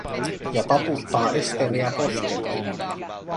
Ja taputtaa Esteriä poskelle.